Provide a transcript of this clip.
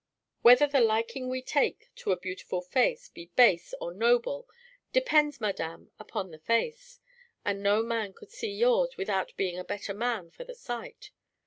"Whether the liking we take to a beautiful face be base or noble depends, madame, upon the face; and no man could see yours without being a better man for the sight.